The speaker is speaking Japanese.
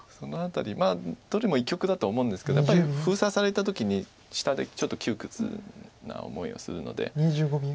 その辺りまあどれも一局だと思うんですけどやっぱり封鎖された時に下でちょっと窮屈な思いをするので。